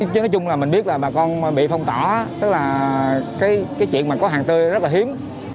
chứ nói chung là mình biết là bà con bị phong tỏ tức là cái chuyện mà có hàng tươi rất là hiếm